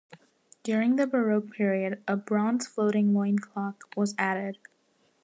During the Baroque period a bronze floating loincloth was added.